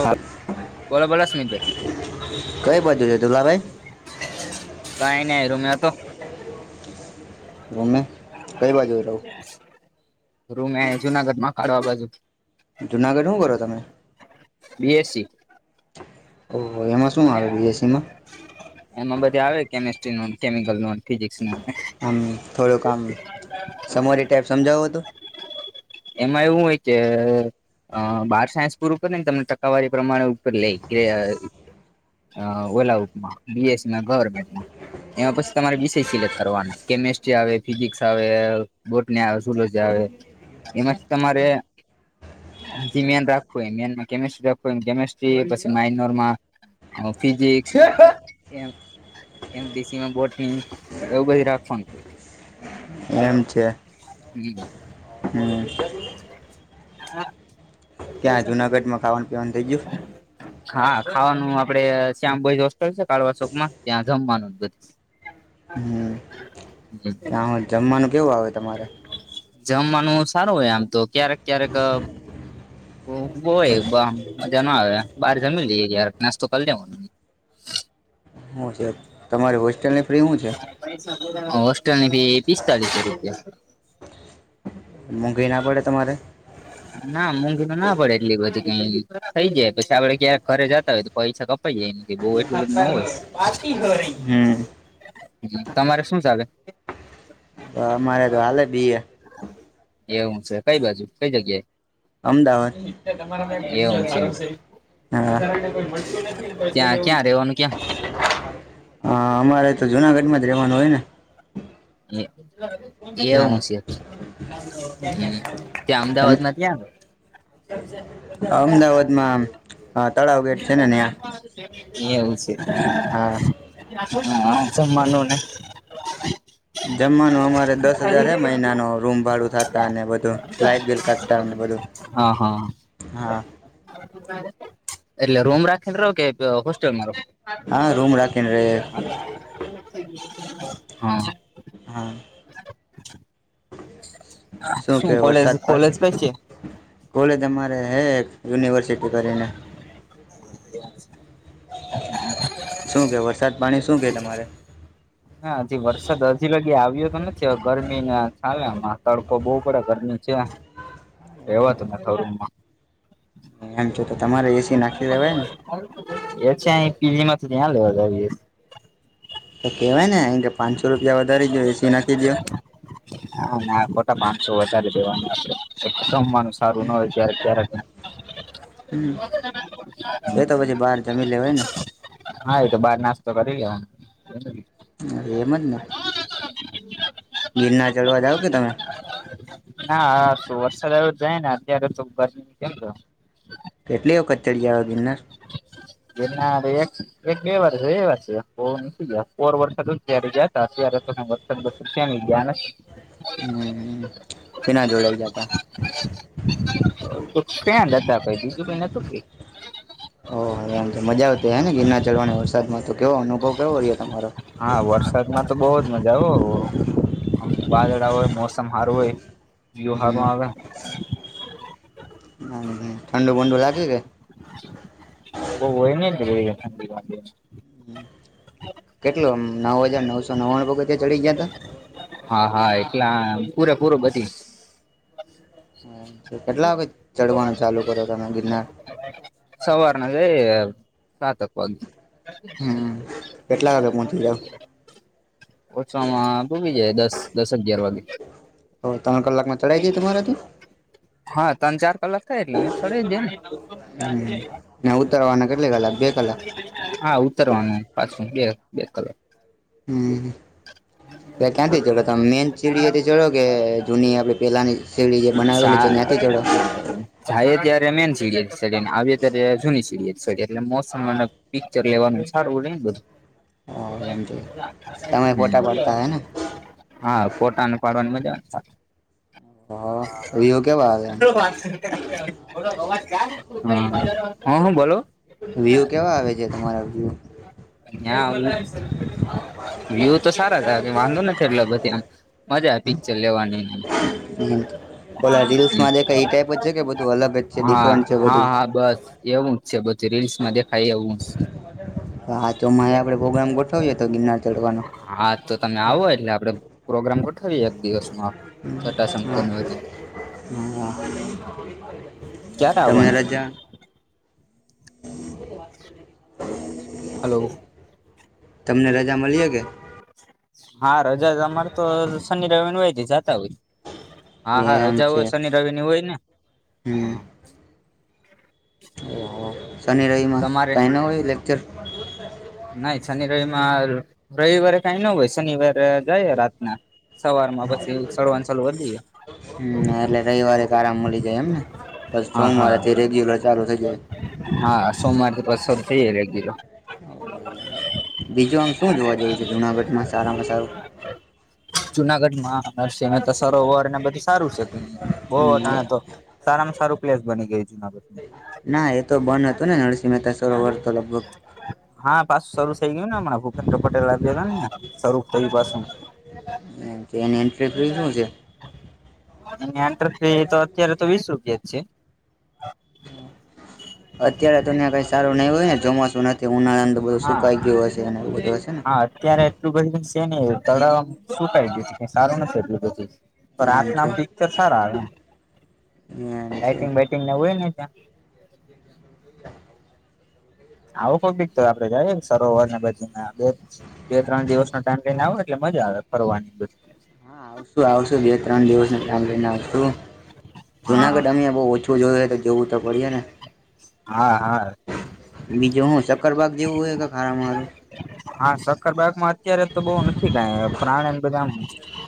હા બોલો બોલો સુમિત ભાઈ. કઈ બાજુ છે દુલાભાઈ કઈ નહ [unintelligible] રમે કઈ બાજુ રહું. રૂમે જુનાગઢમાં કાઢવા બાજુ જુનાગઢ શું કરો તમે બી એસ સી ઓહો એમાં શું આવે બીએસસીમાં એમાં બધે આવે કેમેસ્ટ્રીનો કેમિકલનો ફિઝિક્સનો આમ થોડુંક આમ સમોરી ટાઈપ સમજાવો તો એમાં એવું હોય કે અ બાર સાયન્સ પૂરું કરીને તમને ટકાવારી પ્રમાણે ઉપર લે કે અ ઓલાઉમા બીએસમાં ગવર્મેન્ટમાં એમાં પછી તમારે બી [unintelligible] સિલેક્ટ કરવાનુ કેમેસ્ટ્રી આવે ફિઝિક્સ આવે બોટની સલોજી આવે એમાંથી તમારે હ મેન રાખું મેનમા કેમેસ્ટ રાખવુ કેમસ્ટ્રી પછી માઇનોર માં અ ફિઝિક્સ એમ એમ બીસીમાં બોટની એવું બધી રાખવાનું એમ છે. [unintelligible] હમ. હા. ક્યાં જુનાગઢમાં ખાવાનું પીવાનું થઈ ગયુ? હા ખાવાનું આપડે શ્યામ બોઈજ હોસ્ટેલ છે, કાળવા ચોકમાં ત્યાં જમવાનું બ હા. હમ ત્યાં હું જમવાનું કેવું આવે તમારે? જમવાનું સારું હોય આમ તો ક્યારેક ક્યારેક હોય આમ મજા ન આવે બહાર જમી લઈએ યાર નાસ્તો કરી લેવાનુ હું છે, તમારી હોસ્ટેલ ની હોસ્ટેલની ફી પિસ્તાલીસો રૂપિયા મોંઘી ના પડે તમારે? ના મોંઘી તો ના પડે એટલી બધી કઈ થઈ જાય પછી આપડે ક્યાંક ઘરે જતા હોય તો પૈસા કપાઈ જાય બો એટલું બધું ન હોય હમ તમારે શું ચાલે? અમારે તો હાલે બી એ એવું છે, કઈ બાજુ કઈ જગ્યાએ? અમદાવાદ [unintelligible] હ એવું છે ત્યાં ક્યાં રેવાનું ક્યાં [inaudible] હા અમારે તો જુનાગઢમાં જ રહેવાનું હોય ને બછ એવું હા છે, ત્યાં તમ અમદાવાદ માં ત્યાં અમદાવાદમાં અ એવું છે. હા હા સમાનુંને જમવાનું અમારે દસ હજાર હે મહિનાન રૂમ ભાડું થાતા અને બધું લાાઈટ બિલ કાઢતા [unintelligible] બદું હા હા. હા. એટલે રૂમ રાખીને રહો કે હોસ્ટેલમાં રહો? હા રૂમ રાખીને રે [inaudible] હા. [inaudible] શું કે કોલેજ વરસાદ પ કોલેજ કઈ છે કોલેજ તમારે હે યુનિવર્સિટી કરીને શું કે વરસાદ પાણી શું કે તમારે? ના હજી વરસાદ હજી લગી આવ્યો તો નથી ગરમીના છાલે તડકો બહુ પડે ગરમી છે એવાતુંથમાં એમ છો તો તમારે એસી નાખી લેવાય ને એ છે બી માંથી ત્યાં લેવા જ તો કેવાય ને અહી કે પાંચસો રૂપિયા વધારી દો એસી નાખી દો ણસો વધારેવા રમવાનું સારું ના હોય્યારે ક્યારેક હમ એ તો પછી બહાર જમી લેવાય ને હા એ તો બાર નાસ્તો કરી લેવાનો. હ એમ જ ને ગિરનાર ચઢવા જાવ કે તમે ના તો વરસાદ જાય ને અત્યારે તોર કેમ તો કેટલી વખત ચડી આવે ગિરનાર એના એક બે વાર છે એ વાર છે ગયા ફર વર્ષ જયારે જતા ત્યારે તો વરસાદ વસ ત્યાં ગયા ને હમ કેના જોડાઈ ગયા હતા. તો ક્યાં લતા કઈ બીજું કઈ નતું કઈ ઓ એમ મજા આવતી હે ને ગિરના ચરવાણી વરસાદમાં તો કેવો અનુભવ કેવો રહ્યો તમારો હા. વરસાદમાં તો બહ જ મજા આવ આમ વાદળ હોય મોસમ સારું હોય. જીયો હમ હારમાં આવે. ઠંડુ બડુ લાગકી ગ બહુ [inaudible] કેટલું આમ નવ હજાર નવસો નવ્વાણું વગતે ચડી ગયા હતા એલા પૂરે પૂરું બધી કેટલા હ ચડવાનું ચાલુ. કરો તમે ગિરનાર સવારના જ સાતક વા હ કેટલા વાગે પહોંચી જાઓ ઓછવામાંમાં ભૂગી જાય દસ દસ અગિયાર વાગે. ત્રણ કલાકમાં ચડાઈ જાય તમારાથી હા ત્રણ ચાર કલાક લામતડે ને ઉતરવાના કેટલી કલાક બે કલાક હા ઉતરવાનું પાછું બે બે કલાક [inaudible] પ ક્યાંથી ચડો તમે મેન ચીડીથી ચડો કે જૂની આપે પેલાની યારે મેન સી્યારે જૂ સી એલે મોમ પિક્ચર લેવાનું સારું. ને બધું. એમ છે તમે ફોટા પાડતા હે ને હા ફોટાને પાડવાનું [inaudible] હ એયો હ હા હ બોલો. વ્યુ કેવા આવે છે તમારા વ્યુ યા વ્યુ તો સારા થ વાંધો નથી એટલો બધી આમ. મજા પિક્ચર લેવાની. [inaudible] ઓલા રીલ્સમાં દેખ એ ટાઈપ જ છે કે બધું અલગ જ છે હા ડિફરન્ટ છે હા બધું. હા બસ એવું છે બધી રીલ્સમાં દેખાય એવું. હા તો મારે આપડે પ્રોગ્રામ ગોઠવીએ તો ગિરનાર ચડવાનો હા તો તમે આવો એટલે આપડે પ્રોગ્રામ ગોઠવીએ એક દિવસ નો. છટા સમક ન વધને ક્યારે હ તમેલ આવવાના તમે રાજા [inaudible] હલો. તમને રજા મળીએ કે? હા, રજા અમાર તો શનિ રવિન હોય તી જાતા હોય. હા, હા એમ રજા છે હોય શનિ રવિની હોય ને. હમ હા. [inaudible] ઓહો શનિ રવિમાં તમારે કાંઈ ન હોય લેક્ચર? ના ઈ શનિ રવિમાં રવિવારે કાંઈ ન હોય. શનિવારે જાયે રાતના. સવારમાં પછી સડવાન સાલું કર દઈએ. હમ્મ. એટલે રવિવારે એક આરામ મલી જાય એમને. પછ હા હા સોમવારેથી રેગ્યુલર ચાલુ થઇ જાય. હા, સોમ શર થઈ જાય રેગ્યુલર. બીજું આમ શું જોવા જેવું છે જુનાગઢમાં સારામાં સારું? જુનાગઢમાં નરસિંહ મહેતા સરોવરને બધું સારું છે તહીંયા. બોવ હમ અટાણે તો સારામાં સારું પ્લેસ બની ગય ના, એતો બન હતું ને નરસિંહ મહેતા સરોવર તો લગભગ? હા, પાસું શરૂ થઈ ગયું ને હમણાં ભૂપેન્દ્ર પટેલ ગયેલા ને યાં. શરુ કર્યું પાસું. એમ કે, એની એન્ટ્રી ફ્રી શું છે? એની એન્ટ્રી ફી તો અત્યારે તો વીસ રૂપિયા જ છે. [inaudible] અત્યારે તો ન્યાં કઈ સારું નહિ હોય ને? ચોમાસું નથી, ઉનાળાનું તો બધું હા સુકાઈ ગયું હશે એવ બધું હશે. ને હા, અત્યારે એટલું બધી સ કે નઈ હોઈ. તડાવ આમ સુકાઈ ગ્યું. કંઈ સારું નથી એટલું બધી. રા એમ ના છે પિક્ચર સારા આવે એમ. એમ છે લાઇટિંગ બાઈટિંગના હોય ને ત્યાં. [inaudible] આવું કોઈ બીક તો આપડે જાઈએ ન સરોવર ને બધીમાં. બે બે ત્રણ દિવસનો ટાઈમ લઈને આવો એટલે મજા આવે ફરવાની ન બધી. હા આવશું આવશું બે ત્રણ દિવસનું કામ લઈને આવશું હા જુનાગઢ અમે બોઉ ઓછું જોયું હો તો જોવું તો પડીએ ને. હા હા. બીજું હું શક્કરબાગ જેવું હે કંઈક હારામાં હારું? હા, શક્કરબાગમાં અત્યારે તો બોઉ નથી કાંઈ પ્રાણીન બધા આમ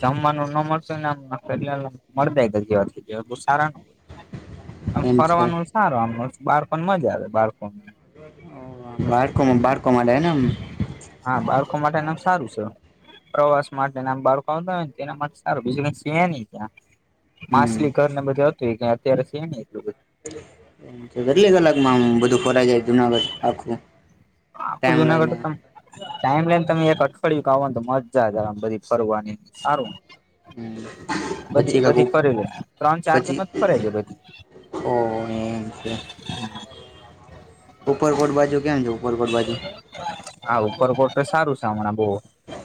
જમવાનું ન મળશે ને આમ [unintelligible] મડદા [unintelligible] બો સારા ન હોય. આમ એમ છે ફરવાનું સારું. આમ બાળકોને મજા આવે બાળકોને. બાડકોમાં બાડકોમાં ડેનામ છ. પ્રવાસ માટેના આમ બાળકો આવતા હોય ન તેના માટે સારું બીજું કઈ સે નઈ ત્યાં. હમ માસલી ઘરને બધું હતું ઈ કાંઈ અત્યારે સે નઈ એટલું બધુ. અમ કેટલી કલાકમાં આમ બધું ફરાઈ જાય જુનાગઢ આખું? આખું ટાઈમ જુનાગઢ લઈને તો તમ ટાઈમ લઈને તમે એક અઠવાડિયું ક આવો નતો મજા જ આમ બધી ફરવાની. સારું. હમ બધી પછી કાક બધી ફરી લે. ત્રણ ચાર પછી દિમાં જ ફરાઈ જાય બધી. ઓ એમ છે! [inaudible] ઉપરકોટ બાજુ કેમ છે, ઉપરકોટ બાજુ? હા, ઉપરકોટ ત સારું સે હમણાં બો.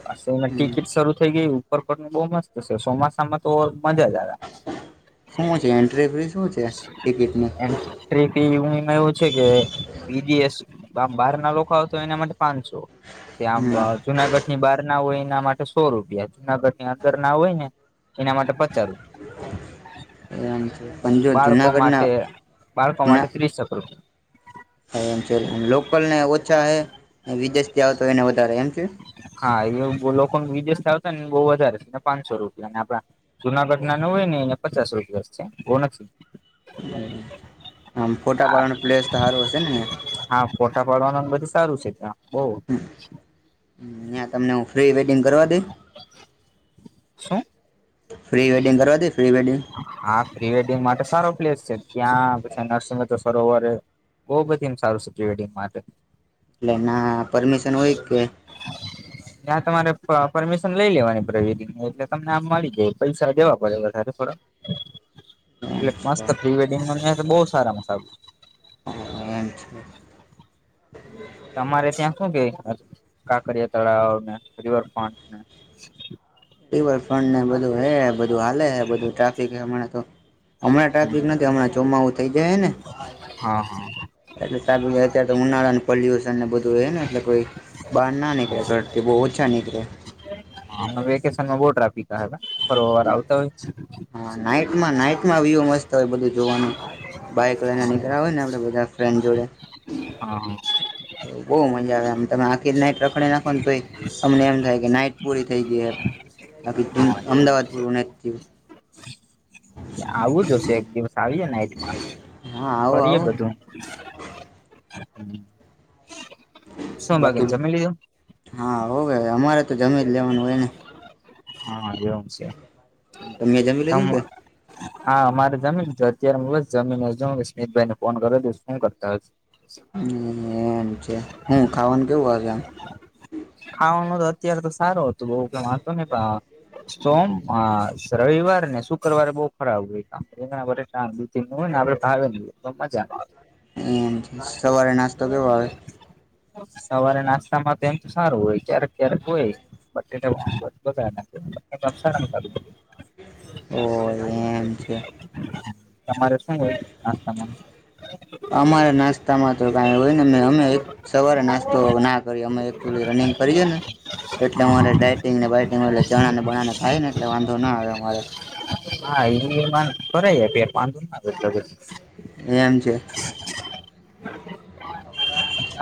પાસી એમાં હમ ટિકિટ શરૂ થઈ ગઈ. ઉપરપટનું બો મસ્ત સે. સોમાસામાં તો મજા જ આવે. શું છે એન્ટ્રી ફી શું છે ટિકિટની એમ કે ટ્રેક એવું નઈ માં એવું છે કે પીજીએસ આમ બારના લોકો આવતા હોય એને માટે પાંચસો આંબ હમ અ જુનાગઢની બારના હોય ઈના માટે સો રૂપિયા. જુનાગઢની અંદરના હોય ને એના માટે પચા રૂપિયા. એમ છે પણ જો બાળકો, જુનાગઢના માટે બાળકો માટે ત્રીસ ચક્ર હ એમ છે, લોકલને ઓછા હ વિદેશથી આવ તો એને વધારે એમ છે. હા, એ લોકો વિદેશતા હતા ને બહ વધારે છેને. પાંચસો રૂપિયા અને આપડા જુનાગઢના નું હોય, ને પચાસ રૂપિયા છે, બ નથી [unintelligible] હા, ફોટા પાડનો પ્લેસ, તો હારું હશે હા ફોટા પાડવાનું બધું સારું છે, ત્યા નયા, તમને પ્રીવેેડિંગ, કરવા દે શું ફ્રી વેડિંગ કરવા, દ ફ્રી વેડિંગ પ્લેસછે યા પરસ સરોવર બ બધી સારુ સેક્યુટરી માટે એટલે, એના પરમિશન હોય કે. ત્યાં તમારે પરમિશન લઈ, લેવાની પ્રવેરીની એટલે તમને આમ મળી જાય પૈસા દેવા પડે વધારે થોડાક એટલે મસ્ત, પ્રી વડિંગ બહુ સારા મસાબ તમારે, ત્યાં શું કેય કાંકરિયા તળાવ, ને રિવરફ્રન્ટને રિવરફ્રન્ટ ને બધું હે, બધું હાલે હે બધું ટ્રાફિક હ હમણા, તો હમણા, ટ્રાફિક નથી. હમણાં ચોમાવું થઇ જાયને હા હા એટલે અત્યારે, તો ઉનાળા ને પોલ્યુશન ને બધું એ ને એટલે કોઈ બહાર ના નીકળે ઘડતી બહુ ઓછા હી. ક્ર વેકેશનમાં બોટી, ફ વાર આવતા હોય વ મસ્ત હોય, બધું જોવાનું બાઈક લઈને, નીકળ આવેય ને આપડે બધા ફ્રેન્ડ જોડે. હા હા બહુ મજા, આવે તમે આખી નાઈટ રખડી નાખો ને. તો અમને એમ થાય કે નાઈટ પૂરી થઈ ગઈ, એ બાકી હા એવું અમદાવાદ પૂર નથી. હા આવું જ હશે, એક દિવસ આવી જને હા આવો ફરીએ આવો બધું શુંભાગન છેમે લીજ. હો, કે અમારે તો જમી જ લેવાનું હોય ને હા, એવમ છે. ત મેં જમી લેજો કે હા, અમારે જમીન અત્યારે જમીન હ સ્મિતભાઈ ને ફોન કર્યો હતો, શું કરતા હ [inaudible] એમ છે, હું ખાવાનું કેવું હશે, આમ ખાવાનું તો અત્યારે તો સારું હતુ, બઉ કે વાતો ને સોમ. રવિવાર ને શુક્રવારે બહુ ખરાબ હોય, કામ વર્ષ દન હોય, ને આપણે ભાવે હોય તો મજા એમ સવારે નાસ્તો કેવો, આવે સવારે નાસ્તા મા તો એમ તો સારું હોય ક્યારેક ક્યારેક હોય. એટલે હુ, બાદના ઓ એમ છે [unintelligible] તમારે શું, નાસ્તામાં અમારા નાસ્તામા તો ક હોય, ને અમે સવારે નાસ્તો ના કરી અમે લી રનિગ કરીએે, ને એટલે મારેઇટિગ બાઈટગ એટ જણાને, બણાને ખાય ને એટલે વાંધો ના આવે મારે હા, એમા, ફ પે પાંધુ એમ છે.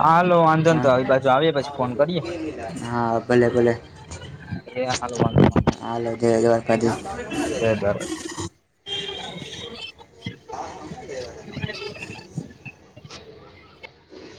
હા, લો આંધન તો હા આવી બાજુ આવી પછી. ફોન કરીએ હા, ભલે ભલે એ હાલવા, હાલો જય દ્વારકાધીશ એાર [unintelligible]